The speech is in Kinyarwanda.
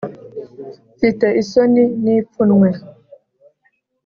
Mfite isoni n ipfunwe